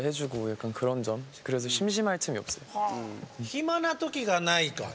暇な時がないか。